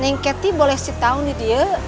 nengketi boleh sitau nih